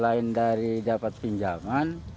selain dari dapat pinjaman